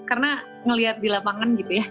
karena ngelihat di lapangan gitu ya